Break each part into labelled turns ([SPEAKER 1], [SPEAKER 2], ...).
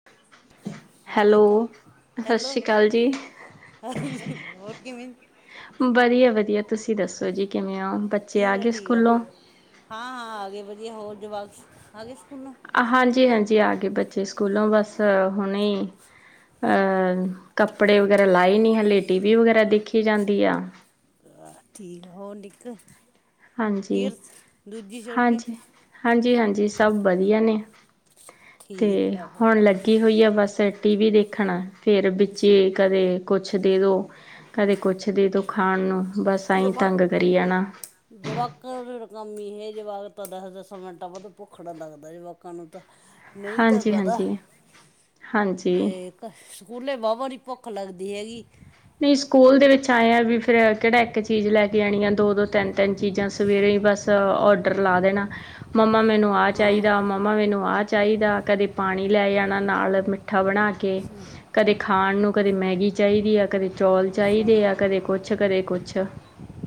[SPEAKER 1] [unintelligible]
[SPEAKER 2] ਹਾਂਜੀ ਤਾਂ
[SPEAKER 1] ਸਤਿ
[SPEAKER 2] ਹੈਲੋ
[SPEAKER 1] ਸ਼੍ਰੀ ਅਕਾਲ ਜੀ
[SPEAKER 2] ਹਾਂ ਹੋਰ ਕਿਵੇਂ
[SPEAKER 1] ਵਧੀਆ-ਵਧੀਆ, ਤੁਸੀਂ ਦੱਸੋ ਜੀ ਕਿਵੇਂ ਹੋ? ਬੱਚੇ
[SPEAKER 2] ਠੀਕ ਆ
[SPEAKER 1] ਗਏ
[SPEAKER 2] ਠੀਕ ਆ
[SPEAKER 1] ਸਕੂਲੋਂ
[SPEAKER 2] ਹਾਂ-ਹਾਂ ਆ ਗਏ, ਵਧੀਆ ਹੋਰ ਜਵਾਕ ਆ ਗਏ ਸਕੂਲੋਂ
[SPEAKER 1] ਹਾਂਜੀ-ਹਾਂਜੀ, ਆ ਗਏ ਬੱਚੇ ਸਕੂਲੋਂ ਬਸ ਹੁਣੇ ਅਹ ਕੱਪੜੇ ਵਗੈਰਾ ਲਾਏ ਨਹੀਂ ਹਾਲੇ ਟੀ ਵੀ ਵਗੈਰਾ ਦੇਖੀ ਜਾਂਦੀ ਆ
[SPEAKER 2] ਆਹ ਠੀਕ ਆ ਹੋਰ ਨਿੱਕਰ
[SPEAKER 1] ਹਾਂਜੀ
[SPEAKER 2] ਦੂਜੀ ਛੋਟੀ
[SPEAKER 1] ਹਾਂਜੀ-ਹਾਂਜੀ, ਸਭ ਵਧੀਆ ਨੇ ਤੇ
[SPEAKER 2] ਠੀਕ ਆ ਉਹ
[SPEAKER 1] ਹੁਣ ਲ ਹੋਈ ਆ ਬਸ ਟੀ ਵੀ ਦੇਖਣਾ ਫੇਰ
[SPEAKER 2] ਅੱਛਾ
[SPEAKER 1] ਵਿੱਚੇ ਕਦੇ ਕੁਛ ਦੇ ਦੋ ਕਦੇ ਕੁਛ ਦੇ ਦੋ ਖਾਣ ਨੂੰ ਬਸ ਏਂਈ
[SPEAKER 2] ਜਵਾਕ
[SPEAKER 1] ਤੰਗ ਕਰੀ ਜਾਣਾ
[SPEAKER 2] ਜਵਾਕਾਂ ਕੰਮੀ ਇਹ ਜਵਾਕ ਤਾਂ ਦਸ ਦਸਾਂ ਮਿੰਟਾਂ ਬਾਅਦ ਭੁੱਖੜ ਲੱਗਦਾ ਜਵਾਕਾਂ ਨੂੰ ਤਾਂ ਨਹੀਂ ਤਾਂ
[SPEAKER 1] ਹਾਂਜੀ
[SPEAKER 2] ਪਤਾ
[SPEAKER 1] ਹਾਂਜੀ ਹਾਂਜੀ
[SPEAKER 2] ਤੇ ਸਕੂਲੇ ਵਾਹ ਵਾਹ ਦੀ ਭੁੱਖ ਲੱਗਦੀ ਹੈਗੀ
[SPEAKER 1] ਨਹੀਂ ਸਕੂਲ ਦੇ ਵਿੱਚ ਆਇਆ ਵੀ ਫੇਰ ਕਿਹੜਾ ਇੱਕ ਚੀਜ਼ ਲੈ ਕੇ ਆਣੀ ਆ ਦੋ-ਦੋ ਤਿੰਨ-ਤਿੰਨ ਚੀਜ਼ਾਂ ਸਵੇਰੇ ਹੀ ਬਸ ਔਡਰ ਲਾ ਦੇਣਾ, ਮੰਮਾ ਮੈਨੂੰ ਆ ਚਾਹੀਦਾ
[SPEAKER 2] ਹਾਂ
[SPEAKER 1] ਮੰਮਾ ਮੈਨੂੰ ਆ ਚਾਹੀਦਾ, ਕਦੇ ਪਾਣੀ ਲੈ ਜਾਣਾ ਨਾਲ ਮਿੱਠਾ ਬਣਾ ਕੇ ਕਦੇ ਖਾਣ ਨੂੰ ਕਦੇ ਮੈਗੀ ਚਾਹੀਦੀ ਆ, ਕਦੇ ਚੌਲ
[SPEAKER 2] ਅੱਛਾ
[SPEAKER 1] ਚਾਹੀਦੇ ਆ ਕਦੇ ਕੁਛ ਕਦੇ ਕੁਛ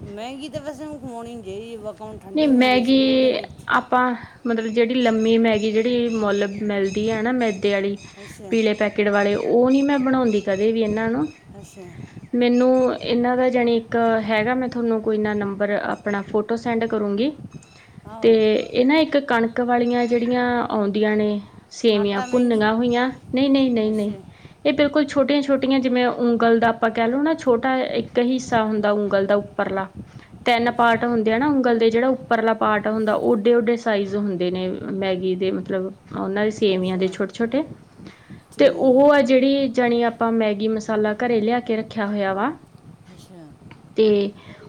[SPEAKER 2] ਮਹਿੰਗੀ ਤਾਂ ਵੈਸੇ ਕਮਾਉਣੀ ਨਹੀਂ ਚਾਹੀਦੀ ਵ ਹੁਣ
[SPEAKER 1] ਨਹੀਂ
[SPEAKER 2] ਠੰਡੀ ਹੋ ਜਾਂਦੀ ਹੈ
[SPEAKER 1] ਮੈਗੀ
[SPEAKER 2] ਸਕੂਲ ਦੇ ਵਿੱਚ
[SPEAKER 1] ਆਪਾਂ ਮਤਲਬ ਜਿਹੜੀ ਲੰਮੀ ਮੈਗੀ ਜਿਹੜੀ ਮੁੱਲ ਮਿਲਦੀ ਹੈ, ਨਾ ਮੈਦੇ ਵਾਲੀ
[SPEAKER 2] ਅੱਛਾ
[SPEAKER 1] ਪੀਲੇ ਪੈਕੇਟ ਵਾਲੇ ਉਹ ਨੀ ਮੈਂ ਬਣਾਉਂਦੀ ਕਦੇ ਵੀ ਇਹਨਾਂ ਨੂੰ
[SPEAKER 2] ਅੱਛਾ
[SPEAKER 1] ਮੈਨੂੰ ਇਹਨਾਂ ਦਾ ਜਾਣੀ ਇੱਕ ਹੈਗਾ, ਮੈਂ ਤੁਹਾਨੂੰ ਕੋਈ ਨਾ ਨੰਬਰ ਆਪਣਾ ਫੋਟੋ ਸੈਂਡ ਕਰੂੰਗੀ ਅਤੇ
[SPEAKER 2] ਆਹੋ
[SPEAKER 1] ਇਹ ਨਾ ਇੱਕ ਕਣਕ ਵਾਲੀਆਂ ਜਿਹੜੀਆਂ ਆਉਂਦੀਆਂ ਨੇ ਸੇਵੀਆਂ
[SPEAKER 2] ਆਟਾ ਮਹਿੰਗੀ
[SPEAKER 1] ਭੁੰਨਨ ਹੋਈਆਂ ਨਹੀਂ-ਨਹੀਂ, ਨਹੀਂ-ਨਹੀਂ
[SPEAKER 2] ਅੱਛਾ
[SPEAKER 1] ਇਹ ਬਿਲਕੁਲ ਛੋਟੀਆਂ-ਛੋਟੀਆਂ ਜਿਵੇਂ ਉਂਗਲ ਦਾ ਆਪਾਂ ਕਹਿ ਲਉ, ਨਾ ਛੋਟਾ ਇੱਕ ਹਿੱਸਾ ਹੁੰਦਾ ਉਂਗਲ ਦਾ ਲਾ ਤਿੰਨ
[SPEAKER 2] ਅੱਛਾ
[SPEAKER 1] ਪਾਰਟ ਹੁੰਦੇ ਨਾ ਉਂਗਲ ਦੇ ਜਿਹੜਾ ਉੱਪਰਲਾ ਪਾਾਰਟ ਹੁੰਦਾ, ਉਹ ਓਡੇ ਓਡੇ ਸਾਈਜ਼ ਹੁੰਦੇ ਨੇ, ਮੈਗੀ ਦੇ ਮਤਲਬ ਉਹਨਾਂ ਦੇ
[SPEAKER 2] ਅੱਛਾ,
[SPEAKER 1] ਸੀੇਵੀਆਂ ਦੇ
[SPEAKER 2] ਅੱਛਾ
[SPEAKER 1] ਛੋਟੇ -ਛੋਟੇ ਤੇ
[SPEAKER 2] ਠੀਕ
[SPEAKER 1] ਉਹ ਅ ਜਿਹੜੀ ਜਾਣੀ ਆਪਾਂ ਮੈਗੀ ਮਸਾਲਾ ਘਰੇ ਲਿਆ ਕੇ ਰੱਖਿਆ ਹੋਇਆ ਵਾ
[SPEAKER 2] ਅੱਛਾ
[SPEAKER 1] ਤੇ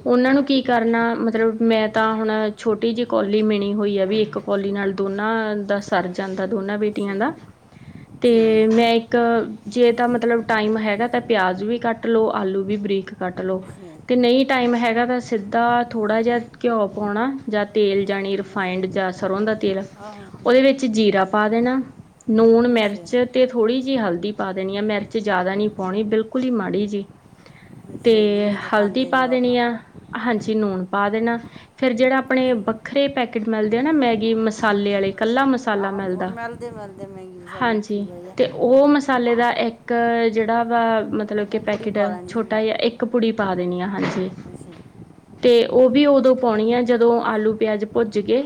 [SPEAKER 1] ਉਹਨਾਂ ਨੂੰ ਕੀ ਕਰਨਾ ਮਤਲਬ, ਮੈਂ ਤਾਂ ਹੁਣ ਛੋਟੀ ਜਿਹੀ ਕੋੌਲੀ ਮਿਣੀ ਹੋਈ ਆ ਵੀ ਇੱਕ ਕੋੌਲੀ ਨਾਲ ਦੋਨਾਂ ਦਾ ਸਰ ਜਾਂਦਾ ਦੋਨਾਂ ਬੇਟੀਆਂ
[SPEAKER 2] ਅੱਛਾ
[SPEAKER 1] ਦਾ ਤੇ
[SPEAKER 2] ਠੀਕ
[SPEAKER 1] ਮੈਂ ਇੱਕ ਜੇ ਤਾਂ ਮਤਲਬ ਟਾਈਮ ਹੈਗਾ, ਤਾਂ ਪਿਆਜ ਵੀ ਕੱਟ ਲੋ, ਆਲੂ ਵੀ ਬਰੀਕ ਕੱਟ ਲਓ
[SPEAKER 2] ਅੱਛਾ
[SPEAKER 1] ਅਤੇ ਨਹੀਂ ਟਾਈਮ ਹੈਗਾ ਤਾਂ ਸਿੱਧਾ ਥੋੜ੍ਹਾ ਜਿਹਾ ਘਿਓ ਪਾਉਣਾ ਜਾਂ ਤੇਲ ਜਾਣੀ ਰਿਫਾਇੰਡ ਜਾਂ ਸਰ੍ਹੋਂ ਦਾ ਤੇਲ
[SPEAKER 2] ਆਹ
[SPEAKER 1] ਉਹਦੇ ਵਿੱਚ ਜੀਰਾ ਪਾ ਦੇਣਾ ਨੂਣ
[SPEAKER 2] ਅੱਛਾ
[SPEAKER 1] ਮਿਰਚ ਤੇ ਥੋੜ੍ਹੀ ਜਿਹੀ ਹਲਦੀ ਪਾ ਦੇਣੀ ਆ ਮਿਰਚ ਜ਼ਿਆਦਾ ਨੀ ਪਾਉਣੀ ਬਿਲਕੁਲ ਹੀ ਮਾੜੀ ਜੀ ਤੇ
[SPEAKER 2] ਅੱਛਾ ਜਿੰਨੀ ਕੁ
[SPEAKER 1] ਹਲਦੀ
[SPEAKER 2] ਖਾਂਦੇ
[SPEAKER 1] ਪਾ
[SPEAKER 2] ਜਵਾਕਾਂ
[SPEAKER 1] ਦੇਣੀ ਆ ਹਾਂਜੀ ਨੂਣ ਪਾ ਦੇਣਾ, ਫੇਰ ਜਿਹੜਾ ਆਪਣੇ ਵੱਖਰੇ ਪੈਕੇਟ ਮਿਲਦੇ ਆ ਨਾ ਮੈਗੀ ਮਸਾਲੇ ਵਾਲੇ ਇਕੱਲਾ ਮਸਾਲਾ
[SPEAKER 2] ਆਹੋ ਉਹ
[SPEAKER 1] ਮਿਲਦਾ,
[SPEAKER 2] ਮਿਲਦੇ ਮਿਲਦੇ ਮਹਿੰਗੀ ਮਸਾਲੇ ਪੀ
[SPEAKER 1] ਹਾਂਜੀ
[SPEAKER 2] ਲਈ ਆ
[SPEAKER 1] ਤੇ ਉਹ ਮਸਾਲੇ ਦਾ ਇੱਕ ਜਿਹੜਾ ਵਾ ਮਤਲਬ ਕਿ,
[SPEAKER 2] ਉਹ ਪੁੜੀ
[SPEAKER 1] ਪੈਕਟ
[SPEAKER 2] ਪਾ ਲੈਣੀ
[SPEAKER 1] ਛੋਟਾ ਜਿਹਾ ਇੱਕ ਪੁੜੀ ਪਾ ਦੇਣੀ ਆ ਹਾਂਜੀ
[SPEAKER 2] ਅੱਛਾ
[SPEAKER 1] ਤੇ ਉਹ ਵੀ ਉਦੋਂ ਪਾਉਣੀ ਆ ਜਦੋਂ ਆਲੂ ਪਿਆਜ ਭੁੱਜ ਕੇ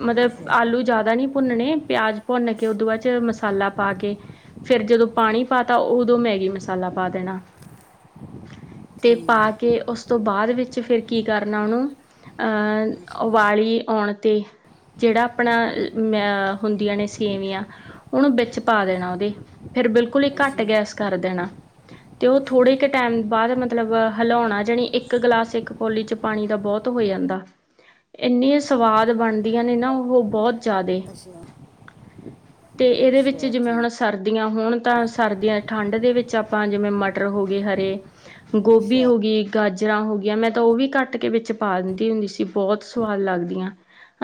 [SPEAKER 1] ਮਤਲਬ
[SPEAKER 2] ਅੱਛਾ
[SPEAKER 1] ਆਲੂ ਜਿਆਦਾ ਨਹੀਂ ਭੁੰਨਣੇ, ਪਿਆਜ ਭੁੰਨ, ਕੇ
[SPEAKER 2] ਅੱਛਾ
[SPEAKER 1] ਉਹਦੋਂ ਬਾਅਦ ਚ ਮਸਾਲਾ ਪਾ ਕੇ ਫਿਰ ਜਦੋਂ ਪਾਣੀ ਪਾ ਤਾ, ਉਦੋਂ ਮੈਗੀ ਮਸਾਲਾ ਪਾ ਦੇਣਾ ਤੇ
[SPEAKER 2] ਠੀਕ
[SPEAKER 1] ਪਾ ਕੇ ਉਸ ਤੋਂ ਬਾਅਦ ਵਿੱਚ ਫਿਰ ਕੀ ਕਰ ਨਾ ਨੂੰ ਅਹ
[SPEAKER 2] ਅੱਛਾ
[SPEAKER 1] ਵਾਲੀ ਆਉਣ ਤੇ ਜਿਹੜਾ ਆਪਣਾ ਅ ਹੁੰਦੀਆਂ ਨੇ ਸੇਵੀਆਂ ਉਹਨੂੰ ਵਿੱਚ ਪਾ
[SPEAKER 2] ਅੱਛਾ
[SPEAKER 1] ਦੇਣਾ ਉਹਦੇ, ਫੇਰ ਬਿਲਕੁਲ ਹੀ ਘੱਟ
[SPEAKER 2] ਅੱਛਾ
[SPEAKER 1] ਗੈਸ ਕਰ ਦੇਣਾ ਤੇ ਉਹ ਥੋੜ੍ਹੇ ਕੁ
[SPEAKER 2] ਅੱਛਾ
[SPEAKER 1] ਟਾਈਮ ਬਾਅਦ ਮਤਲਬ ਹਿਲਾਉਣਾ ਜਾਣੀ ਇੱਕ ਗਲਾਸ ਇੱਕ ਕੌਲੀ 'ਚ ਪਾਣੀ ਦਾ ਬਹੁਤ ਹੋ ਜਾਂਦਾ, ਇੰਨੇ ਸਵਾਦ ਬਣਦੀਆਂ ਨੇ ਨਾ ਉਹ ਬਹੁਤ ਜ਼ਿਆਦੇ
[SPEAKER 2] ਅੱਛਾ।
[SPEAKER 1] ਤੇ ਇਹਦੇ ਵਿੱਚ
[SPEAKER 2] ਅੱਛਾ
[SPEAKER 1] ਜਿਵੇਂ ਹੁਣ
[SPEAKER 2] ਠੀਕ
[SPEAKER 1] ਸਰਦੀਆਂ ਹੋਣ ਤਾਂ, ਸਰਦੀਆਂ ਠੰਢ ਦੇ ਵਿੱਚ ਆਪਾਂ ਜਿਵੇਂ, ਮਟਰ ਹੋ ਗਏ ਹਰੇ ਗੋਭੀ
[SPEAKER 2] ਅੱਛਾ
[SPEAKER 1] ਹੋ ਗਈ, ਗਾਜਰਾਂ ਹੋ ਗਈਆਂ, ਮੈਂ ਤਾਂ ਉਹ ਵੀ ਕੱਟ ਕੇ ਵਿੱਚ ਪਾ ਦਿੰਦੀ ਹੁੰਦੀ ਸੀ, ਬਹੁਤ ਸਵਾਦ ਲੱਗਦੀਆਂ।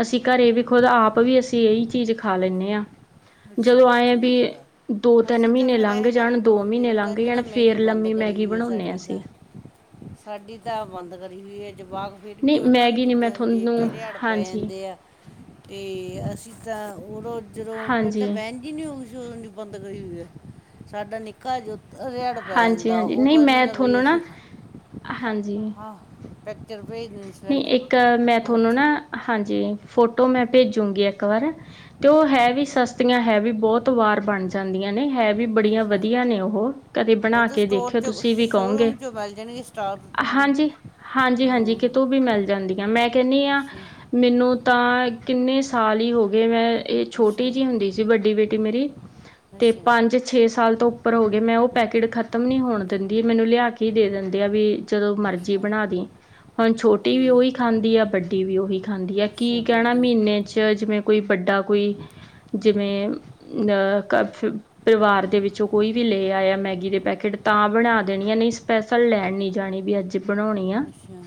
[SPEAKER 1] ਅਸੀਂ ਘਰੇ ਵੀ ਖੁਦ ਆਪ ਵੀ ਅਸੀਂ ਇਹੀ ਚੀਜ਼ ਖਾ ਲੈਂਣੇ ਹਾਂ। ਜਦੋਂ
[SPEAKER 2] ਅੱਛਾ
[SPEAKER 1] ਆਏ ਵੀ
[SPEAKER 2] ਠੀਕ ਆ
[SPEAKER 1] ਦੋ, ਤਿੰਨ
[SPEAKER 2] ਅਸੀਂ ਤਾਂ
[SPEAKER 1] ਮਹੀਨੇ
[SPEAKER 2] ਫਿਰ
[SPEAKER 1] ਲੰਘ
[SPEAKER 2] ਇਹੋ ਜਿਹਾ
[SPEAKER 1] ਜਾਣ
[SPEAKER 2] ਕੋਈ
[SPEAKER 1] ਦੋ
[SPEAKER 2] ਬਣਾਉਂਦੇ
[SPEAKER 1] ਮਹੀਨੇ
[SPEAKER 2] ਨਹੀਂ ਤਾਂ
[SPEAKER 1] ਲੰਘ
[SPEAKER 2] ਇਹਨੂੰ
[SPEAKER 1] ਜਾਣ
[SPEAKER 2] ਤਾਂ ਮਹਿੰਗੀ
[SPEAKER 1] ਫੇਰ,
[SPEAKER 2] ਬੰਦ
[SPEAKER 1] ਲੰਮੀ
[SPEAKER 2] ਕਰੀ
[SPEAKER 1] ਮੈਗੀ
[SPEAKER 2] ਹੋਈ ਹੈ
[SPEAKER 1] ਬਣਾਉਂਦੇ ਹਾ
[SPEAKER 2] ਸਾਡੀ ਤਾਂ
[SPEAKER 1] ਅਸੀਂ
[SPEAKER 2] ਸਾਡੀ ਤਾਂ ਬੰਦ ਕਰੀ ਹੋਈ ਆ ਜਵਾਕ ਫਿਰ ਵੀ
[SPEAKER 1] ਨਹੀਂ
[SPEAKER 2] ਉਹਨਾਂ ਨੂੰ
[SPEAKER 1] ਮੈਗੀ ਨਹੀਂ ਮੈਂ
[SPEAKER 2] ਦੂਜਿਆਂ ਨੂੰ ਦੇਖ
[SPEAKER 1] ਤੁਹਾਨੂੰ
[SPEAKER 2] ਕੇ ਰਿਹਾੜ ਪੈ
[SPEAKER 1] ਹਾਂਜੀ
[SPEAKER 2] ਜਾਂਦੇ ਆ ਤੇ ਅਸੀਂ ਤਾਂ ਉਰੋਂ ਜਦੋ
[SPEAKER 1] ਹਾਂਜੀ
[SPEAKER 2] [unintelligible] ਬੰਦ ਕਰੀ ਹੋਈ ਆ ਸਾਡਾ ਨਿੱਕਾ ਰਿਹਾੜ ਪੈ
[SPEAKER 1] ਹਾਂਜੀ
[SPEAKER 2] ਜਾਂਦਾ
[SPEAKER 1] ਹਾਂਜੀ
[SPEAKER 2] ਉਹ
[SPEAKER 1] ਨਹੀਂ ਮੈਂ
[SPEAKER 2] ਕਹਿੰਦਾ ਵੀ
[SPEAKER 1] ਤੁਹਾਨੂੰ ਨਾ
[SPEAKER 2] ਅਸੀ
[SPEAKER 1] ਹਾਂਜੀ।
[SPEAKER 2] ਹਾ ਪਿਚਰ ਭੇਜ ਦਿੰਦੀ।
[SPEAKER 1] ਨਹੀਂ ਇੱਕ ਮੈਂ ਤੁਹਾਨੂੰ ਨਾ ਹਾਂਜੀ ਫੋਟੋ ਮੈਂ ਭੇਜੂਗੀ ਇੱਕ ਵਾਰ। ਤੇ ਉਹ ਹੈ ਵੀ ਸਸਤੀਆਂ ਹੈ ਵੀ ਬਹੁਤ ਵਾਰ ਬਣ ਜਾਂਦੀਆਂ ਨੇ ਹੈ ਵੀ ਬੜੀਆਂ
[SPEAKER 2] ਅੱਛਾ
[SPEAKER 1] ਵਧੀਆ ਨੇ ਉਹ ਕਦੇ
[SPEAKER 2] ਉਹ
[SPEAKER 1] ਬਣਾ
[SPEAKER 2] ਤਾਂ
[SPEAKER 1] ਕੇ
[SPEAKER 2] ਸਟੋਰ
[SPEAKER 1] ਦੇਖਿਓ
[SPEAKER 2] ਚ
[SPEAKER 1] ਤੁਸੀਂ ਵੀ ਕਹੋਗੇ।
[SPEAKER 2] ਸ਼ੋਰੂਮ ਚ
[SPEAKER 1] ਹਾਂਜੀ
[SPEAKER 2] [unintelligible]
[SPEAKER 1] ਹਾਂਜੀ
[SPEAKER 2] ਆਹੋ
[SPEAKER 1] ਹਾਂਜੀ ਕਿਤੋਂ ਵੀ ਮਿਲ ਜਾਂਦੀਆਂ ਮੈਂ ਕਹਿੰਦੀ ਹਾਂ।
[SPEAKER 2] ਅੱਛਾ
[SPEAKER 1] ਮੈਨੂੰ ਤਾਂ ਕਿੰਨੇ ਸਾਲ ਹੀ ਹੋ ਗਏ ਮੈਂ ਇਹ
[SPEAKER 2] ਅੱਛਾ
[SPEAKER 1] ਛੋਟੀ ਜਿਹੀ ਹੁੰਦੀ ਸੀ ਵੱਡੀ ਬੇਟੀ ਮੇਰੀ ਤੇ
[SPEAKER 2] ਅੱਛਾ
[SPEAKER 1] ਪੰਜ ਛੇ ਸਾਲ ਤੋਂ ਉੱਪਰ ਹੋ ਗਏ ਮੈਂ ਉਹ ਪੈਕੇਟ ਖਤਮ ਨੀ ਹੋਣ ਦਿੰਦੀ ਮੈਨੂੰ ਲਿਆ ਕੇ ਹੀ ਦੇ ਦਿੰਦੇ ਆ ਵੀ ਜਦੋਂ ਮਰਜ਼ੀ
[SPEAKER 2] ਅੱਛਾ
[SPEAKER 1] ਬਣਾ ਦੀ। ਹੁਣ ਛੋਟੀ ਵੀ ਉਹੀ
[SPEAKER 2] ਠੀਕ
[SPEAKER 1] ਖਾਂਦੀ ਆ ਵੱਡੀ ਵੀ ਉਹੀ ਖਾਂਦੀ ਆ ਕੀ
[SPEAKER 2] ਅੱਛਾ
[SPEAKER 1] ਕਹਿਣਾ
[SPEAKER 2] ਵੱਡੀ
[SPEAKER 1] ਮਹੀਨੇ ਚ ਜਿਵੇਂ ਕੋਈ ਵੱਡਾ ਕੋਈ ਜਿਵੇਂ ਅ ਪਰਿਵਾਰ ਦੇ ਵਿੱਚੋਂ ਕੋਈ ਵੀ ਲੈ ਆਇਆ ਮੈਗੀ ਦੇ ਪੈਕੇਟ ਤਾਂ ਬਣਾ ਦੇਣੀ ਆ ਨਹੀਂ ਸਪੈਸੀਫਿਕ ਲੈਣ ਨੀ ਜਾਣੀ ਵੀ ਅੱਜ ਬਣਾਉਣੀ ਆ।
[SPEAKER 2] ਅੱਛਾ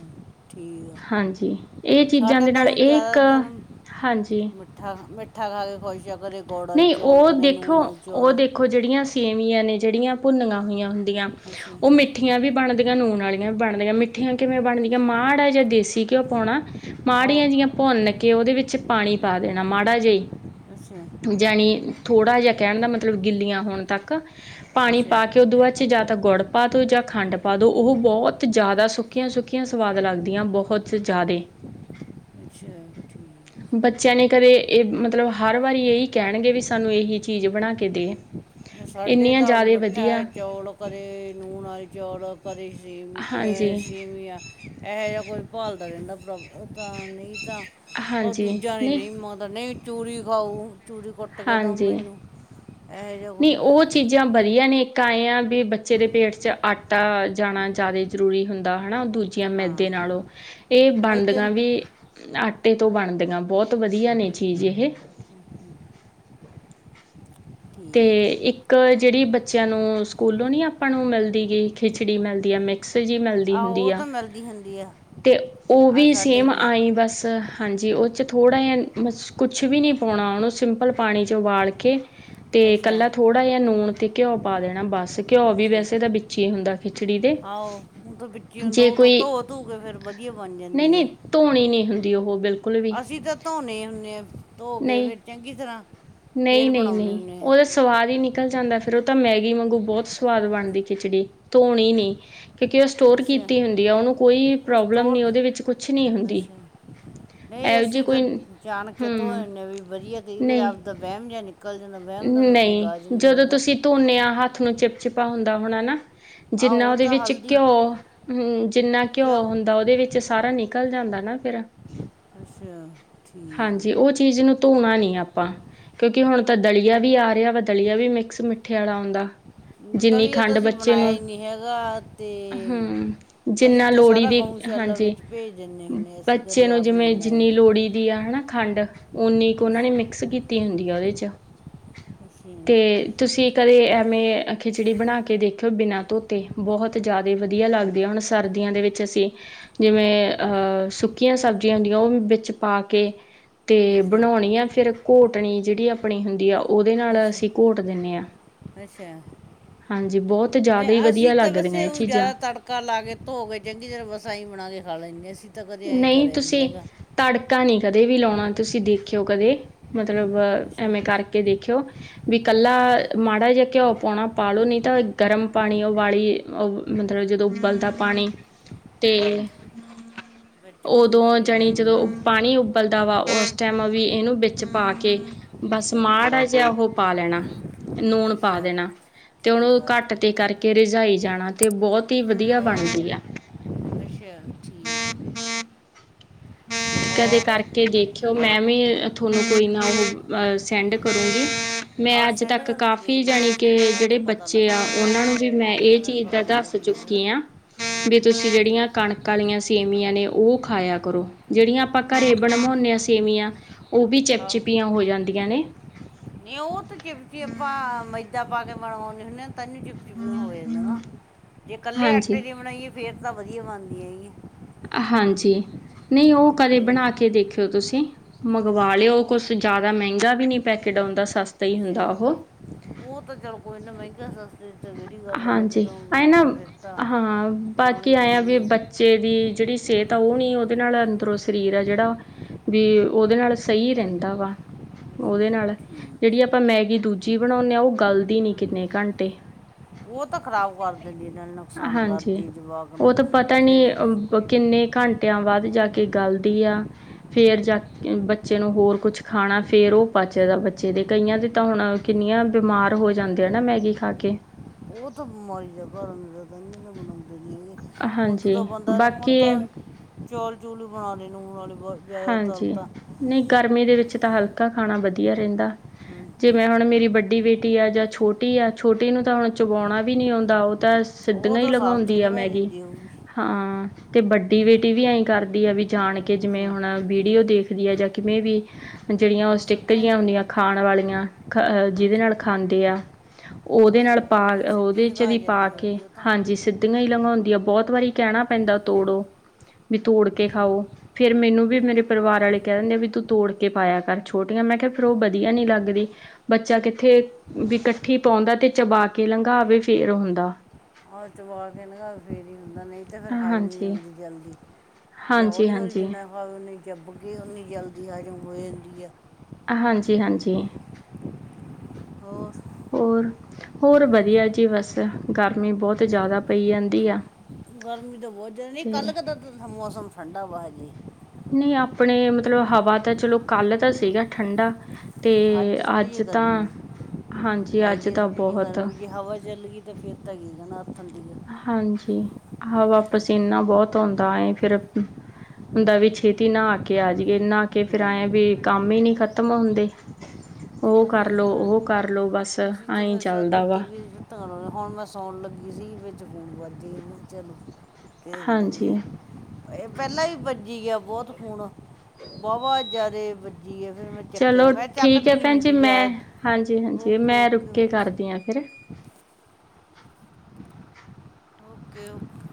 [SPEAKER 2] ਠੀਕ। ਆ
[SPEAKER 1] ਹਾਂਜੀ ਇਹ ਚੀਜ਼ਾਂ
[SPEAKER 2] ਸਾਡਾ
[SPEAKER 1] ਦੇ
[SPEAKER 2] ਤਾਂ
[SPEAKER 1] ਨਾਲ
[SPEAKER 2] ਊਂ
[SPEAKER 1] ਇਹ ਇੱਕ
[SPEAKER 2] ਜ਼ਿਆਦਾਤਰ
[SPEAKER 1] ਹਾਂਜੀ।
[SPEAKER 2] ਮਿੱਠਾ ਮਿੱਠਾ ਖਾ ਕੇ ਖੁਸ਼ ਆ ਕਦੇ ਗੁੜ ਵਾਲੀ
[SPEAKER 1] ਨਹੀਂ
[SPEAKER 2] ਚੌਲ
[SPEAKER 1] ਉਹ
[SPEAKER 2] ਕਦੇ ਨੂਣ
[SPEAKER 1] ਦੇਖੋ
[SPEAKER 2] ਵਾਲੇ
[SPEAKER 1] ਉਹ
[SPEAKER 2] ਚੌਲ।
[SPEAKER 1] ਦੇਖੋ ਜਿਹੜੀਆਂ ਸੇਵੀਆਂ ਨੇ ਜਿਹੜੀਆਂ ਭੁੰਨ ਹੋਈਆਂ ਹੁੰਦੀਆਂ ਉਹ
[SPEAKER 2] ਅੱਛਾ
[SPEAKER 1] ਮਿੱਠੀਆਂ ਵੀ ਬਣਦੀਆਂ ਨੂਣ ਵਾਲੀ ਵੀ ਬਣਦੀਆਂ ਮਿੱਠੀਆਂ ਕਿਵੇਂ ਬਣਦੀਆਂ ਮਾੜਾ ਜਾਂ ਦੇਸੀ ਘਿਓ ਪਾਉਣਾ
[SPEAKER 2] ਆਓ
[SPEAKER 1] ਮਾੜੀਆਂ ਜਿਹੀ ਭੁੰਨ ਕੇ ਉਹਦੇ ਵਿੱਚ ਪਾਣੀ ਪਾ ਦੇਣਾ ਮਾੜਾ ਜਿਹਾ ਹੀ
[SPEAKER 2] ਅੱਛਾ।
[SPEAKER 1] ਜਾਣੀ ਥੋੜ੍ਹਾ ਜਿਹਾ, ਕਹਿਣ ਦਾ ਮਤਲਬ ਗਿੱਲੀਆਂ ਹੋਣ ਤੱਕ, ਪਾਣੀ
[SPEAKER 2] ਅੱਛਾ
[SPEAKER 1] ਪਾ ਕੇ ਉਹ ਦੂ ਬਾਅਦ ਜਾਂ ਤਾਂ ਗੁੜ ਪਾ ਦਉ ਜਾਂ ਖੰਡ ਪਾ ਦੋ ਉਹ ਬਹੁਤ ਜ਼ਿਆਦਾ ਸੁੱਕੀਆਂ- ਸੁੱਕੀਆਂ ਸਵਾਦ ਲੱਗਦੀਆਂ ਬਹੁਤ ਜਿਆਦੇ।
[SPEAKER 2] ਅੱਛਾ ਠੀਕ
[SPEAKER 1] ਬੱਚਿਆਂ ਨੇ ਕਦੇ, ਇਹ ਮਤਲਬ ਹਰ ਵਾਰੀ ਇਹੀ ਕਹਿਣਗੇ ਵੀ ਸਾਨੂੰ ਇਹੀ ਚੀਜ਼ ਬਣਾ ਕੇ ਦਿਓ
[SPEAKER 2] ਸਾਡੇ ਤਾਂ ਮਿੱਠਾ ਹੈ ਚੌਲ ਕਦੇ ਲੂਣ ਵਾਲੇ ਚੌਲ ਕਦੇ ਸੇਮੀ
[SPEAKER 1] ਹਾਂਜੀ
[SPEAKER 2] ਸੇਵੀਆਂ ਇਹੋ ਜਿਹਾ ਕੋਈ ਭਾਲਦਾ ਰਹਿੰਦਾ ਤਾਂ ਨਹੀਂ ਉਹ ਦੂਜਾ ਨ ਨਹੀਂ ਮਤਤਾ ਨਹੀਂ ਚੂਰੀ ਖਾਓ ਚੂਰੀੱਟ ਟਕਦ
[SPEAKER 1] ਹਾਂਜੀ
[SPEAKER 2] ਮੈਨੂੰ ਇਹੋ ਜਿਹਾ
[SPEAKER 1] ਨਹੀਂ
[SPEAKER 2] ਹਣ
[SPEAKER 1] ਉਹ ਚੀਜ਼ਾਂ ਵਧੀਆ ਨੇ ਇੱਕਾਂਏ ਆ ਵੀ ਬੱਚੇ ਦੇ ਪੇਟ ਚ ਆਟਾ ਜਾਣਾ ਜ਼ਿਆਦਾ ਜ਼ਰੂਰੀ ਹੁੰਦਾ ਹਨਾ ਦੂਜੀਆਂ ਮੈਦੇ
[SPEAKER 2] ਹਾਂ
[SPEAKER 1] ਨਾਲੋਂ ਇਹ ਬਣਦਆਂ
[SPEAKER 2] ਮੈਦਨ
[SPEAKER 1] ਵੀ ਆਟੇ ਤੋਂ ਬਣਦੀਆਂ ਬਹੁਤ ਵਧੀਆ ਨੇ ਚੀਜ਼ ਇਹ ਅਤੇ
[SPEAKER 2] ਠੀਕ
[SPEAKER 1] ਇੱਕ ਜਿਹੜੀ ਬੱਚਿਆਂ ਨੂੰ ਸਕੂਲੋਂ ਨਹੀਂ ਆਪਾਂ ਨੂੰ ਮਿਲਦੀ ਗਈ ਖਿਚੜੀ ਮਿਲਦੀ ਹੈ ਮ ਜਿ ਮਿਲਦੀ
[SPEAKER 2] ਆਹੋ
[SPEAKER 1] ਹੁੰਦੀ
[SPEAKER 2] ਉਹ
[SPEAKER 1] ਆ
[SPEAKER 2] ਤਾਂ ਮਿਲਦੀ ਹੁੰਦੀ ਆ
[SPEAKER 1] ਤੇ ਉਹ
[SPEAKER 2] ਆ
[SPEAKER 1] ਵੀ
[SPEAKER 2] ਸਾਡੇ
[SPEAKER 1] ਸੇਮ
[SPEAKER 2] ਮ-
[SPEAKER 1] ਆਈ ਬਸ ਹਾਂਜੀ ਉਹ 'ਚ ਥੋੜ੍ਹਾ ਜਿਹਾ ਮ ਕੁਛ ਵੀ ਨਹੀਂ ਪਾਉਣਾ ਉਹਨੂੰ ਸਿੰਪਲ ਪਾਣੀ 'ਚ ਉਬਾਲ ਕੇ ਤੇ
[SPEAKER 2] ਅੱਛਾ
[SPEAKER 1] ਇਕੱਲਾ ਥੋੜ੍ਹਾ ਜਿਹਾ ਨੂਣ ਤੇ ਘਿਓ ਪਾ ਦੇਣਾ ਬਸ ਘਿਓ ਵੀ
[SPEAKER 2] ਅੱਛਾ
[SPEAKER 1] ਵੈਸੇ ਤਾਂ ਵਿੱਚ ਹੀ ਹੁੰਦਾ ਖਿਚੜੀ ਦੇ
[SPEAKER 2] ਆਓ ਉਹ ਤਾਂ ਵਿੱਚੀ ਹੁੰਦਾ
[SPEAKER 1] ਜੇ
[SPEAKER 2] ਉਹ ਤਾਂ
[SPEAKER 1] ਕੋਈ
[SPEAKER 2] ਧੋ ਧੂ ਕੇ ਫਿਰ ਵਧੀਆ ਬਣ
[SPEAKER 1] ਨਹੀਂ
[SPEAKER 2] ਜਾਂਦੀ
[SPEAKER 1] ਨਹੀਂ
[SPEAKER 2] ਆ
[SPEAKER 1] ਧੋਣੀ ਨਹੀਂ ਹੁੰਦੀ ਉਹ ਬਿਲਕੁਲ ਵੀ
[SPEAKER 2] ਧੋਣੇ ਹੁੰਦੇ ਆ ਧੋ ਕੇ
[SPEAKER 1] ਨਹੀਂ
[SPEAKER 2] ਫੇਿਰ ਚੰਗੀ ਤਰ੍ਹਾਂ
[SPEAKER 1] ਨਹੀਂ
[SPEAKER 2] ਫੇਰ
[SPEAKER 1] ਨਹੀਂ
[SPEAKER 2] ਬਣਾਉਨੇ
[SPEAKER 1] ਨਹੀਂ
[SPEAKER 2] ਹੁੰਨੇ
[SPEAKER 1] ਉਹਦੇ
[SPEAKER 2] ਆ
[SPEAKER 1] ਸਵਾਦ ਹੀ ਨਿਕਲ ਜਾਂਦਾ ਫੇਿਰ ਉਹ ਤਾਂ ਮੈਗੀ ਵਾਂਗੂ ਬਹੁਤ ਸਵਾਦ ਬਣਦੀ ਖਿਚੜੀ ਧੋਣੀ ਨੀ ਕਿਉਂਕਿ ਉਹ ਸਟੋਰ
[SPEAKER 2] ਅੱਛਾ
[SPEAKER 1] ਕੀਤੀ ਹੁੰਦੀ ਆ ਉਹਨੂੰ ਕੋਈ
[SPEAKER 2] ਉਹ
[SPEAKER 1] ਪ੍ਰੋਬਲਮ
[SPEAKER 2] ਸਟੋਰ
[SPEAKER 1] ਨਹੀਂ ਉਹਦੇ ਵਿੱਚ ਕੁਛ ਨਹੀਂ ਹੁੰਦੀ
[SPEAKER 2] ਅੱਛਾ ਨਹੀਂ
[SPEAKER 1] ਇਹੋ ਜਿਹੀ
[SPEAKER 2] ਅਸੀਂ ਤਾਂ
[SPEAKER 1] ਕੋਈ
[SPEAKER 2] ਜਾਣ ਕੇ ਧੋ
[SPEAKER 1] ਹੂੰ
[SPEAKER 2] ਜਾਂੇ ਵੀ ਵਧੀਆ ਕਈ ਵੀ
[SPEAKER 1] ਨਹੀਂ,
[SPEAKER 2] ਰੱ ਦਾ ਬਹਿਮ ਜਾ ਨ ਨਿਕਲ਼ ਜਾਂਦਾ [unintelligible] ਕੋਈ ਇਲਾਜ
[SPEAKER 1] ਨਹੀਂ ਜਦੋਂ
[SPEAKER 2] ਹੁੰਦਾ
[SPEAKER 1] ਤੁਸੀਂ ਧੋਨੇ ਆ ਹੱਥ ਨੂੰ ਚਿਪ ਚਿਪਾ ਹੁੰਦਾ ਹੋਣਾਾ
[SPEAKER 2] ਆਹ
[SPEAKER 1] ਜਿੰਨਾ
[SPEAKER 2] ਉਹ
[SPEAKER 1] ਉਹਦੇ
[SPEAKER 2] ਤਾਂ
[SPEAKER 1] ਵਿੱਚ
[SPEAKER 2] ਹਲਦੀ
[SPEAKER 1] ਘਿਓ ਹਮ ਜਿੰਨਾ
[SPEAKER 2] ਕਿਆ
[SPEAKER 1] ਘਿਓ ਹੁੰਦਾ ਉਹਦੇ ਵਿੱਚ ਸਾਰਾ ਨਿਕਲ ਜਾਂਦਾ ਨਾ ਫਿਰ
[SPEAKER 2] ਅੱਛਾ ਠੀਕ
[SPEAKER 1] ਹਾਂਜੀ, ਉਹ ਚੀਜ਼ ਨੂੰ ਧੋਣਾ ਨੀ ਆਪਾਂ ਕਿਉਂਕਿ ਹੁਣ ਤਾਂ ਦਲੀਆ ਵੀ ਆ ਰਿਹਾ ਵਾ ਦਲੀਆ ਵੀ ਮਿਕਸ ਮਿੱਠੇ ਵਾਲਾ ਆਉਦਾ
[SPEAKER 2] ਹੈ।
[SPEAKER 1] ਜਿਨੀ
[SPEAKER 2] ਦਲੀਆ ਤਾਂ
[SPEAKER 1] ਖੰਡ
[SPEAKER 2] ਅਸੀਂ
[SPEAKER 1] ਬੱਚੇ
[SPEAKER 2] ਬਣਾਇਆ
[SPEAKER 1] ਨੂੰ
[SPEAKER 2] ਹੀ ਨਹੀਂ ਹੈਗਾ ਤੇ
[SPEAKER 1] ਹਮ
[SPEAKER 2] ਅਸੀਂ
[SPEAKER 1] ਜਿਨਾ
[SPEAKER 2] ਤਾਂ
[SPEAKER 1] ਲੋਹੜੀ
[SPEAKER 2] ਸਾਰਾ
[SPEAKER 1] ਦੀ
[SPEAKER 2] ਗਊਸ਼ਾਲਾ
[SPEAKER 1] ਹਾਂਜੀ
[SPEAKER 2] ਵਿੱਚ ਭੇਜ ਦਿੰਨੇ ਹੁੰਨੇ ਆ, ਅਸੀਂ
[SPEAKER 1] ਬੱਚੇ
[SPEAKER 2] ਕਦੇ
[SPEAKER 1] ਨੂੰ
[SPEAKER 2] ਆਪ ਨਹੀਂ
[SPEAKER 1] ਜਿਵੇ
[SPEAKER 2] ਬਣਾਇਆ
[SPEAKER 1] ਜਿਨੀ ਲੋਹੜੀ ਦੀ ਆ ਹਨਾ ਖੰਡ ਉਨੀ ਕੁ ਉਹਨਾਂ ਨੇ
[SPEAKER 2] ਅੱਛਾ
[SPEAKER 1] ਮਿਕਸ ਕੀਤੀ ਹੁਦੀ ਆ ਉਹਦੇ 'ਚ-
[SPEAKER 2] ਅੱਛਾ
[SPEAKER 1] ਅਤੇ- ਤੁਸੀ ਕਦੇ ਐਵੇਂ ਖਿਚੜੀ ਬਣਾ ਕੇ ਦੇਖਿਓ ਬਿਨਾ ਧੋਤੇ ਬਹੁਤ ਜ਼ਿਆਦਾ ਵਧੀਆ ਲੱਗਦੇ ਆ ਹੁਣ ਸਰਦੀਆਂ ਦੇ ਵਿਚ ਅਸੀ- ਜਿਵੇ ਸੁੱਕੀਆਂ ਸਬਜ਼ੀਆਂ ਹੁਦੀਆਂ ਉਹ ਵਿਚ ਪਾ ਕੇ ਤੇ ਬਣਾਉਣੀ ਆ ਫਿਰ ਘੋਟਣੀ ਜਿਹੜੀ ਆਪਣੀ ਹੁਦੀ ਆ ਉਹਦੇ ਨਾਲ ਅਸੀ ਘੋਟ ਦਿਦੇ ਹਾਂ
[SPEAKER 2] ਅਛਾ-
[SPEAKER 1] ਹਾਂਜੀ ਬਹੁਤ ਜ਼ਿਆਦਾ ਹੀ ਵਧੀਆ ਲਗਦੇ ਨੇ ਇਹ ਚੀਜਾ
[SPEAKER 2] ਕਲ ਆ ਕੇ ਧੋ ਕੇ ਚੰਗੀ ਤਰ ਬਸਾਈ ਬਣਾ ਕੇ ਖਾ ਲੈਦੇ ਹ ਸੀ।
[SPEAKER 1] ਨਹੀ ਤੁਸੀ ਤੜਕਾ ਨਹੀ ਕਦੇ ਵੀ ਲਾਉਣਾ ਤੁਸੀ ਦੇਖਿਓ ਕਦੇ ਮਤਲਬ
[SPEAKER 2] ਅੱਛਾ
[SPEAKER 1] ਐਵੇਂ ਕਰਕੇ ਦੇਖਿਓ ਵੀ ਇਕਲਾ ਮਾੜਾ ਜਿ ਕੇ ਉਹ ਪਾਉਣਾ ਪਾਲੋ ਨੀ ਤਾਂ ਗਰਮ ਪਾਣੀ ਉਹ ਵਾਲੀ ਉਹ ਮਤਲਬ ਜਦੋਂ ਉਬਲਦਾ ਪਾਣੀ ਅਤੇ
[SPEAKER 2] ਵਿੱਚ ਫੋਨ ਆਈ
[SPEAKER 1] ਉਦੋਂ
[SPEAKER 2] ਜਾਂਦਾ
[SPEAKER 1] ਜਾਣੀ
[SPEAKER 2] ਮੈਨੂੰ
[SPEAKER 1] ਜਦੋਂ
[SPEAKER 2] ਲੱਗਦਾ
[SPEAKER 1] ਪਾਣੀ- ਉਬਲਦਾ ਵਾ ਉਸ ਟਾਈਮ ਵੀ ਇਹਨੂੰ ਵਿਚ ਪਾ ਕੇ ਬਸ ਮਾੜ ਆ ਜਿਹਾ ਉਹ ਪਾ ਲੈਣਾ ਨੂਣ ਪਾ
[SPEAKER 2] ਅੱਛਾ
[SPEAKER 1] ਦੇਣਾ- ਤੇ
[SPEAKER 2] ਠੀਕ
[SPEAKER 1] ਉਹਨੂੰ
[SPEAKER 2] ਆ
[SPEAKER 1] ਘੱਟ ਤੇ ਕਰਕੇ ਰਝਾਈ ਜਾਣਾ ਤੇ ਬਹੁਤ ਹੀ ਵਧੀਆ ਬਣਦੀ ਆ
[SPEAKER 2] ਖਿਆਲ ੀ [unintelligible] ਹੋ
[SPEAKER 1] ਕਦੇ ਕਰਕੇ ਦੇਖਿਓ ਮੈਂ ਵੀ ਤੁਹਾਨੂੰ ਕੋਈ ਨਾ ਉਹ ਸੈਂਡ ਕਰੂਗੀ ਮੈਂ
[SPEAKER 2] ਆਹ
[SPEAKER 1] ਅੱਜ
[SPEAKER 2] ਸੈਂਡ
[SPEAKER 1] ਤੱਕ
[SPEAKER 2] ਕਰਕੇ ਦੇਖ
[SPEAKER 1] ਕਾਫ਼ੀ
[SPEAKER 2] ਲੈਣੀ
[SPEAKER 1] ਜਾਣੀ
[SPEAKER 2] ਸੀ
[SPEAKER 1] ਕਿ
[SPEAKER 2] ਫਿਰ ਬਾਅਦ ਚ
[SPEAKER 1] ਜਿਹੜੇ
[SPEAKER 2] ਪਤਾ ਲੱਗ
[SPEAKER 1] ਬੱਚੇ ਆ
[SPEAKER 2] ਜੂਗਾ
[SPEAKER 1] ਉਹਨਾਂ ਨੂੰ ਵੀ ਮੈਂ
[SPEAKER 2] ਨਹੀਂ ਤੇ
[SPEAKER 1] ਇਹ
[SPEAKER 2] ਫਿਰ
[SPEAKER 1] ਚੀਜ਼ ਦਾ
[SPEAKER 2] ਪਤਾ ਨਹੀਂ
[SPEAKER 1] ਦੱਸ
[SPEAKER 2] ਲੱਗਣਾ ਹੈਗਾ
[SPEAKER 1] ਚੁੱਕੀ ਆ ਵੀ ਤੁਸੀਂ ਜਿਹੜੀਆਂ ਕਣਕ ਵਾਲੀਆਂ ਸੇਵੀਆਂ ਨੇ ਉਹ ਖਾਇਆ ਕਰੋ। ਜਿਹੜੀਆਂ ਆਪਾਂ ਘਰੇ
[SPEAKER 2] ਅੱਛਾ
[SPEAKER 1] ਬਣਵਾਉਂਦੇ ਹਾਂ ਸੇਵੀਆਂ ਉਹ ਵੀ ਚਿਪ ਚਿਪੀਆਂ ਹੋ ਜਾਂਦੀਆਂ ਨੇ।
[SPEAKER 2] ਨਹੀ ਉਹ ਤੇ ਚਿਪ ਚਿਪਾਂ ਮੈਦਾ ਪਾ ਕੇ ਬਣਵਾਉਦੇ ਹੁਦੇ। ਤਾਂ ਹੀ ਚਿਪ ਚਿਪੀਆ ਹੋ ਜਾਂਦੀਆਂ ਨਾ ਜੇ ਕਲੇ ਆਟੇ
[SPEAKER 1] ਹਾਂਜੀ
[SPEAKER 2] ਦੀ ਬਣਾਈਏ ਫੇਰ ਤਾਂ ਵਧੀਆ ਬਣਦੀਆਂ।
[SPEAKER 1] ਹਾਂਜੀ, ਨਹੀ ਉਹ ਕਦੇ
[SPEAKER 2] ਤੇ
[SPEAKER 1] ਬਣਾ ਕੇ ਦੇਖਿਓ ਤੁਸੀ। ਮੰਗਵਾ ਲਿਓ
[SPEAKER 2] ਉਹ
[SPEAKER 1] ਕੁਛ ਜ਼ਿਆਦਾ ਮਹਿੰਗਾ ਵੀ ਨਹੀ ਪੈਕੇਟ ਆਉਦਾ। ਸਸਤਾ ਹੀ
[SPEAKER 2] ਅੱਛਾ
[SPEAKER 1] ਹੁੰਦਾ ਉਹ
[SPEAKER 2] ਉਹ ਤਾਂ ਚੱਲ ਕੋਈ ਨਾ ਮਹਿੰਗਾ ਸਸਤਾ।
[SPEAKER 1] ਹਾਂਜੀ ਇਹ ਨਾ।
[SPEAKER 2] ਫਿਰ ਤਾਂ
[SPEAKER 1] ਹਾਂ,
[SPEAKER 2] ਬਣਾਉਣੀ
[SPEAKER 1] ਬਾਕੀ ਆਏ ਆ ਵੀ
[SPEAKER 2] ਬਣਾਉਣੀ ਹੈ
[SPEAKER 1] ਬੱਚੇ ਦੀ ਜਿਹੜੀ ਸਿਹਤ। ਤਾਂ ਉਹ ਨੀ ਉਹਦੇ ਨਾਲ ਅੰਦਰੋ ਸਰੀਰ ਆ ਜਿਹੜਾ ਵੀ ਉਹਦੇ ਨਾਲ ਸਹੀ ਰਹਿਦਾ ਵਾ। ਉਹਦੇ ਨਾਲ ਜਿਹੜੀ ਆਪਾਂ ਮੈਗੀ ਦੂਜੀ ਬਣਾਉਦੇ ਹਾਂ ਉਹ ਗਲਦੀ ਨੀ ਕਿਨੇ ਘੰਟੇ।
[SPEAKER 2] ਉਹ ਤਾਂ ਖਰਾਬ ਕਰ ਦਿੰਦੀ ਨਾਲ ਨੁਕਸਾਨ
[SPEAKER 1] ਹਾਂਜੀ
[SPEAKER 2] ਕਰਦੀ ਜਵਾਕ ਨੂੰ ਫਿਰ।
[SPEAKER 1] ਕਿਨੇ ਘੰਟਿਆਂ ਬਾਦ ਜਾ ਕੇ ਗੱਲਦੀ ਆ। ਫੇਰ ਜਾ ਬੱਚੇ ਨੂੰ ਹੋਰ ਕੁਛ ਖਾਣਾ, ਫੇਰ ਉਹ ਪਚਦਾ ਬੱਚੇ ਦੇ ਕਈਆਂ ਦੇ ਤਾਂ ਹੁਣ। ਕਿਨੀਆਂ ਬਿਮਾਰ ਹੋ ਜਾਂਦੀ ਆ ਨਾ ਮੈਗੀ ਖਾ ਕੇ।
[SPEAKER 2] ਉਹ ਤਾਂ ਬਿਮਾਰੀ ਦਾ ਘਰ ਮੈਨੂੰ ਲੱਗਦਾ। ਉਦੋ
[SPEAKER 1] ਹਾਂਜੀ
[SPEAKER 2] ਤਾਂ ਬੰਦਾ ਹੁਣ
[SPEAKER 1] ਬਾਕੀ
[SPEAKER 2] ਤਾਂ ਚੌਲ ਚੂਲ ਹੀ ਬਣਾ ਲੈ ਲੂਣ ਵਾਲੇ ਬ।
[SPEAKER 1] ਹਾਂਜੀ, ਨਹੀ ਗਰਮੀ ਦੇ ਵਿਚ ਤਾਂ ਹਲਕਾ ਖਾਣਾ ਵਧੀਆ ਰਹਿਦਾ।
[SPEAKER 2] ਹਮ,
[SPEAKER 1] ਜਿਵੇਂ ਹੁਣ ਮੇਰੀ ਵਡੀ ਬੇਟੀ ਆ ਜਾਂ ਛੋਟੀ ਆ ਛੋਟੀ ਨੂੰ ਤਾਂ ਹੁਣ ਚਬਾਉਣਾ ਵੀ ਨਹੀ ਆਉਦਾ ਉਹ ਤਾਂ।
[SPEAKER 2] ਉਹ
[SPEAKER 1] ਸਿੱਧੀਆਂ ਹੀ
[SPEAKER 2] ਤਾਂ ਸਾਫ ਤੇ
[SPEAKER 1] ਲਗਾਉਦੀ ਆ
[SPEAKER 2] ਨਿਗਾਹ
[SPEAKER 1] ਮੈਗੀ।
[SPEAKER 2] ਜਾਂਦੀ ਹੋਊਗੀ
[SPEAKER 1] ਹਾਂ ਤੇ ਵਡੀ ਬੇਟੀ ਵੀ ਐ ਕਰਦੀ ਆ, ਵੀ ਜਾਣ ਕੇ ਜਿਵੇ।
[SPEAKER 2] ਅੱਛਾ
[SPEAKER 1] ਨਾਲ ਵੀਡੀਓ ਦੇਖਦੀ ਹੈ। ਜਾਂ ਕਿਵੇ ਵੀ ਜਿਹੜੀਆਂ ਉਹ ਸਟਿੱਕਾ
[SPEAKER 2] ਸਿੱਧੇ
[SPEAKER 1] ਜਿਹੀਆਂ
[SPEAKER 2] ਨ-
[SPEAKER 1] ਹੁੰਦੀਆਂ ਉਹ। ਖਾਣ ਵਾਲੀਆਂ ਜਿਹਦੇ
[SPEAKER 2] ਅੱਛਾ
[SPEAKER 1] ਨਾਲ ਖਾਂਦੇ ਆ। ਉਹਦੇ ਨਾਲ
[SPEAKER 2] ਅੱਛਾ
[SPEAKER 1] ਪਾ
[SPEAKER 2] ਉਹ ਵੀ ਸਿੱਧੀ
[SPEAKER 1] ਉਹਦੇ 'ਚ
[SPEAKER 2] ਨਿਗਾਹ
[SPEAKER 1] ਦੀ ਪਾ
[SPEAKER 2] ਜਾਂਦੀ
[SPEAKER 1] ਕੇ
[SPEAKER 2] ਹੋਊਗੀ ਉਹ ਤਾਂ
[SPEAKER 1] ਹਾਂਜੀ ਸਿੱ ਸਿੱਧੀਆਂ ਹੀ ਲੰਘਉਦੀਆਂ ਬਹੁਤ ਵਾਰੀ ਕਹਿਣਾ ਪੈਂਦਾ ਤੋੜੋ ਵੀ ਤੋੜ ਕੇ ਖਾਓ ਫੇਰ ਮੈਨੂੰ ਵੀ ਮੇਰੇ ਪਰਿਵਾਰ ਵਾਲੇ ਕਹਿ ਦਿੰਦੇ ਆ ਵੀ ਤੂੰ ਤੋੜ ਕੇ ਪਾਇਆ ਕਰ ਛੋਟੀਆਂ ਮੈ ਕਿਹਾ ਫਿਰ ਉਹ ਵਧੀਆ ਨੀ ਲੱਗਦੀਆ। ਬੱਚਾ ਕਿਥੇ ਵੀ ਇਕਠੀ ਪਾਉਦਾ ਤੇ ਚਬਾ ਕੇ ਲੰਗਾਵੇ ਫੇਰ ਹੁੰਦਾ।
[SPEAKER 2] ਆਹ ਚਵਾ ਕੇ ਲੰਘਾਦੇ ਨਹੀ ਫੇਰ ਨ ਹੁੰਦਾ ਨਹੀ ਤੇ ਫੇਰ ਹਾਜ਼ਮ ਨਹੀਂ
[SPEAKER 1] ਹਾਂਜੀ,
[SPEAKER 2] ਹੁੰਂਦੀ ਜਲਦੀ ਜੇ
[SPEAKER 1] ਹਾਂਜੀ,
[SPEAKER 2] ਹੌਲੀ ਹੌਲੀ
[SPEAKER 1] ਹਾਂਜੀ,
[SPEAKER 2] ਜਿੰਨਾ। ਆ ਚੱਬ ਕੇ ਉਨੀ ਜਲਦੀ ਹਜ਼ਮ ਹੋ ਜਾਂਦੀ ਆ।
[SPEAKER 1] ਹਾਂਜੀ ਹਾਂਜੀ।
[SPEAKER 2] ਹੋਰ?
[SPEAKER 1] ਹੋਰ ਹੋਰ ਵਧੀਆ ਜੀ ਬਸ। ਗਰਮੀ ਬਹੁਤ ਜ਼ਿਆਦਾ ਪਈ ਜਾਂਦੀ ਆ।
[SPEAKER 2] ਗਰਮੀ ਤਾਂ ਬਹੁਤ ਜਿਆਦਾ ਨਹੀਂ
[SPEAKER 1] ਤੇ
[SPEAKER 2] ਕੱਲ ਕ ਦਾ ਮੌਸਮ ਠੰਡਾ ਵਾ ਹਜੇ।
[SPEAKER 1] ਨਹੀਂ ਆਪਣੇ ਮਤਲਬ ਹਵਾ ਤਾਂ ਚਲੋ ਕੱਲ ਤਾਂ ਸੀਗਾ ਠੰਢਾ। ਅਤੇ
[SPEAKER 2] ਥੋੜੀ ਜਿਹੀ
[SPEAKER 1] ਅੱਜ ਤਾਂ
[SPEAKER 2] ਗਰਮੀ
[SPEAKER 1] ਹਾਂਜੀ ਅੱਜ
[SPEAKER 2] ਹੈਗੀ
[SPEAKER 1] ਤਾਂ
[SPEAKER 2] ਥੋੜੀ ਜਿਹੀ
[SPEAKER 1] ਬਹੁਤ ਆ।
[SPEAKER 2] ਗਰਮੀ ਜੇ ਹਵਾ ਚਲ ਗਈ। ਅਤੇ ਫਿਰ ਤਗੀ ਗ ਨਾੱਥ ਦੀ। [inaudible]
[SPEAKER 1] ਹਾਂਜੀ, ਹਵਾ ਪਸੀਨਾ ਬਹੁਤ ਆਉਂਦਾ ਆ ਫਿਰ। ਹੁੰਦਾ ਵੀ ਛੇਤੀ ਨਹਾ ਕੇ ਆ ਜਾਈਏ ਨਹਾ ਕੇ ਫੇਰ
[SPEAKER 2] ਹੂੰ
[SPEAKER 1] ਆਏ ਵੀ ਕੰਮ ਹੀ ਨੀ ਖ਼ਤਮ ਹੁੰਦੇ। ਉਹ
[SPEAKER 2] ਹਾਂਜੀ
[SPEAKER 1] ਕਰਲੋ
[SPEAKER 2] ਫਿਰ
[SPEAKER 1] ਉਹ ਕਰਲੋ ਬਸ
[SPEAKER 2] ਅਸੀਂ ਤਾਂ
[SPEAKER 1] ਏਂ
[SPEAKER 2] ਫਿਰ ਸਾਦੇ
[SPEAKER 1] ਚੱਲਦਾ ਵਾ।
[SPEAKER 2] ਟੀਵੀ ਹੁਣ ਮੈਂ ਸੌਣ ਲੱਗੀ ਸੀ ਵਿੱਚ ਹੁਣ ਬੱਤੀ ਚਲੀ ਗਈ। ਰੇਲ
[SPEAKER 1] ਹਾਂਜੀ।
[SPEAKER 2] ਗੱਡੀ। ਇਹ ਪਹਿਲਾਂ ਵੀ ਬੱਜੀ ਗਿਆ ਬਹੁਤ ਹੁਣ ਵਾਹਵਾ ਜਦੇ। ਠੀਕ ਆ ਫਿਰ ਮੈ।
[SPEAKER 1] ਚਲੋ ਠੀਕ ਹੈ ਭੈਣ ਜੀ, ਮੈਂ ਹਾਂਜੀ ਹਾਂਜੀ
[SPEAKER 2] ਓਕੇ
[SPEAKER 1] ਮੈਂ ਰੁਕੇ
[SPEAKER 2] ਓਕੇ
[SPEAKER 1] ਕੇ
[SPEAKER 2] ਓਕੇ
[SPEAKER 1] ਕਰਦੀ ਹਾਂ ਫਿਰ।
[SPEAKER 2] Okay okay.